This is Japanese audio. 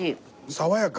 爽やか。